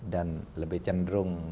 dan lebih cenderung